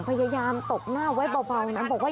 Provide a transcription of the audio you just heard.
พยายามตกหน้าไว้เบานนะบอกไป